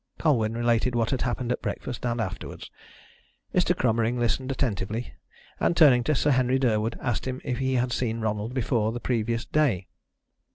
Colwyn related what had happened at breakfast and afterwards. Mr. Cromering listened attentively, and turning to Sir Henry Durwood asked him if he had seen Ronald before the previous day.